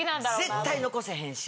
絶対残せへんし。